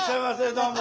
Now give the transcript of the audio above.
どうも。